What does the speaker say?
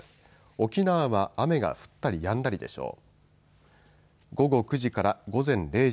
沖縄は雨が降ったりやんだりでしょう。